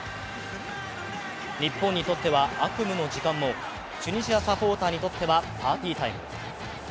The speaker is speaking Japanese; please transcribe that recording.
日本にとっては悪夢の時間もチュニジアサポーターにとってはパーティータイム。